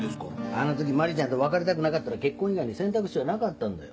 あの時マリちゃんと別れたくなかったら結婚以外に選択肢はなかったんだよ